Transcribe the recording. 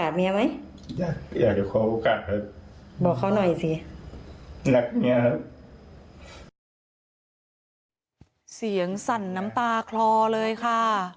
เสียงสั่นน้ำตาคลอเลยค่ะ